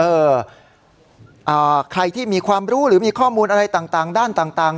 ใครที่มีความรู้หรือมีข้อมูลอะไรต่างด้านต่าง